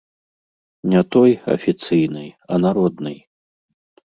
Не той, афіцыйнай, а народнай.